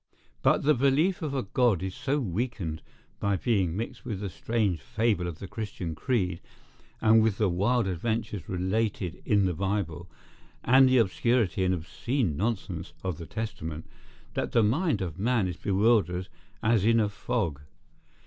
But the belief of a God is so weakened by being mixed with the strange fable of the Christian creed, and with the wild adventures related in the Bible, and the obscurity and obscene nonsense of the Testament, that the mind of man is bewildered as in a fog.